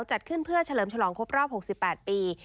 จัดขึ้นเพื่อเฉลิมฉลองครบรอบ๖๘ปี